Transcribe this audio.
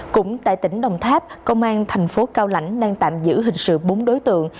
cũng tại tỉnh đồng tháp công an thành phố cao lãnh đang tạm giữ hình sự bốn đối tượng